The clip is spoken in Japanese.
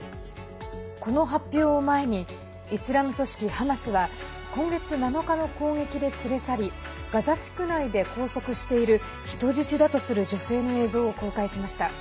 この発表を前にイスラム組織ハマスは今月７日の攻撃で連れ去りガザ地区内で拘束している人質だとする女性の映像を公開しました。